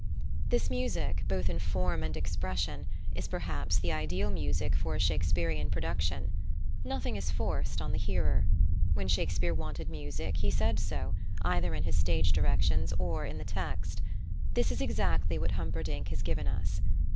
This music, both in form and expression, is, perhaps, the ideal music for a Shakespearian production. Nothing is forced on the hearer. When Shakespeare wanted music he said so, either in his stage directions or in the text. This is exactly what Humperdinck has given us.